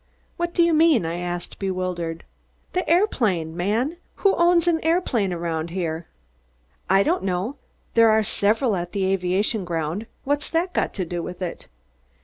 "What do you mean?" I asked, bewildered. "An aeroplane, man! Who owns an aeroplane around here?" "I don't know. There are several at the aviation grounds. What's that got to do with it?"